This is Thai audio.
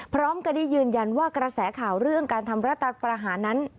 พร้อมกันได้ยืนยันว่ากระแสข่าวเรื่องการทำรัฐประหารนั้น